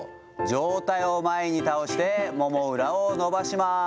状態を前に倒して、もも裏を伸ばします。